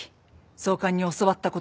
総監に教わった言葉です。